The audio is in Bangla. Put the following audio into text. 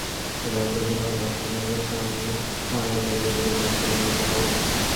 এবার বেহুলার বাসরঘরের সামনের পানের দোকান দুটো বেশি নজরে পড়ে আমাদের।